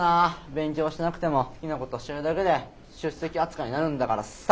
勉強しなくても好きなことしてるだけで出席扱いになるんだからさ。